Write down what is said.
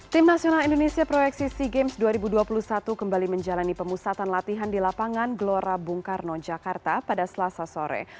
tim nasional indonesia proyeksi sea games dua ribu dua puluh satu kembali menjalani pemusatan latihan di lapangan gelora bung karno jakarta pada selasa sore